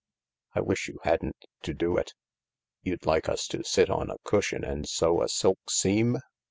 " I wish you hadn't to do it." " You'd like us to sit on a cushion and sew a silk seam